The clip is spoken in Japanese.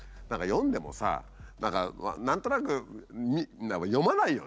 読んでもさ何か何となく読まないよね。